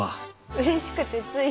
うれしくてつい。